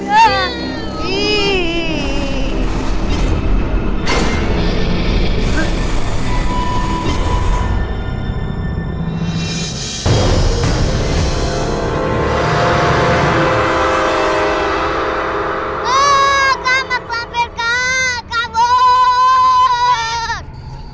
kamak malampir kabur